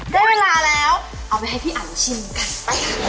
ได้เวลาแล้วเอาไปให้พี่อันชิมกันไปหา